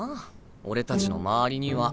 俺達の周りには。